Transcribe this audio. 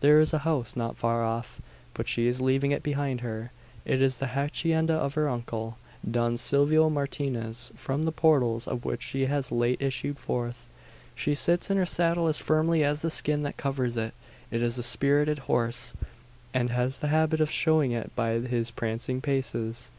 There is a house not far off; but she is leaving it behind her. It is the hacienda of her uncle, Don Silvio Martinez, from the portals of which she has late issued forth. She sits in her saddle as firmly as the skin that covers it. It is a spirited horse, and has the habit of showing it by his prancing paces.